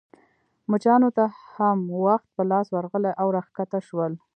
مچانو ته هم وخت په لاس ورغلی او راکښته شول.